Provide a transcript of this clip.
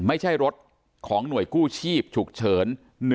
ไม่ใช่รถของหน่วยกู้ชีพฉุกเฉิน